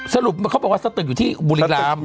สรุปเขาบอกว่าสตึกอยู่ที่บุรีรำ